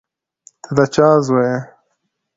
ته د چا زوی یې؟